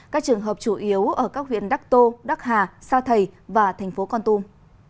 các trường hợp chủ yếu ở các huyện đắc tô đắc hà sa thầy và thành phố con tum